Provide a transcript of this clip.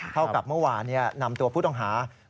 เท่ากับเมื่อวานนำตัวผู้ต้องหา